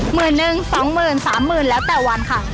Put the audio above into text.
หมื่นหนึ่งสองหมื่นสามหมื่นแล้วแต่วันค่ะ